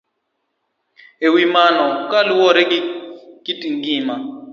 E wi mano, kaluwore gi kit ngima